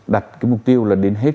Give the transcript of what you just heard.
đặt mục tiêu là đến hết